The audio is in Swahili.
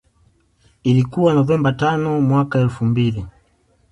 Ilikuwa Novemba tano mwaka elfu mbili